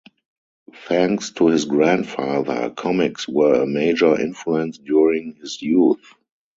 Thanks to his grandfather, comics were a major influence during his youth.